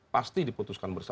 pasti diputuskan bersama